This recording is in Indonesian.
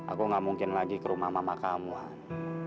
aku gak mungkin lagi ke rumah mama kamu kan